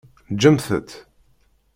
Ǧǧemt-tt.